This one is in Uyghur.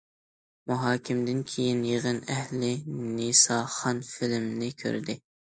مۇھاكىمىدىن كېيىن يىغىن ئەھلى« نىساخان» فىلىمىنى كۆردى.